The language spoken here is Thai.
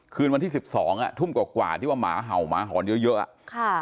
คืนวันที่๑๒ทุ่มกว่ากว่าที่ว่าหมาเห่าหมาหอนเยอะ